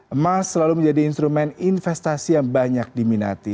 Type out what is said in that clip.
emas selalu menjadi instrumen investasi yang banyak diminati